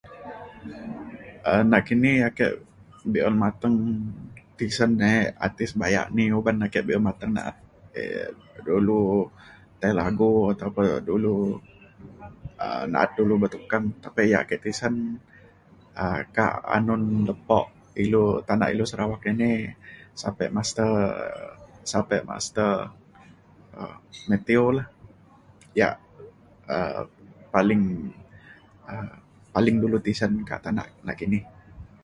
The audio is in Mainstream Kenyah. um nakini ake be’un mateng tisen e artis bayak ni uban ake be’un mateng na’at um dulu tai lagu atau pe atau um na’at dulu betukang tapi yak ake tisen um ka- anun lepo ilu tanak ilu Sarawak ini sape master sape master um Mathew lah yak um paling um paling dulu tisen kak tanak nakini.